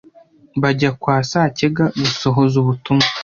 bajya kwa Sacyega gusohoza ubutumwa